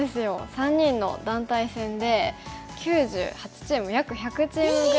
３人の団体戦で９８チーム約１００チームぐらいの参加者があって。